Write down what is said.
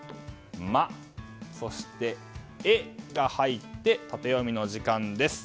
「マ」、そして「エ」が入ってタテヨミの時間です。